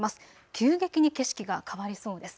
急激に景色が変わりそうです。